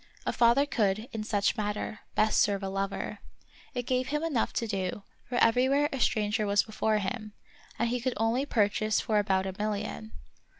A father could, in such matter, best serve a lover. It gave him enough to do, for everywhere a stranger was before him, and he could only purchase for about a million.